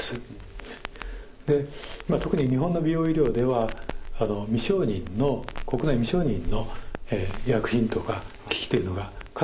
特に日本の美容医療では国内未承認の医薬品とか機器っていうのがかなり多く使われてます。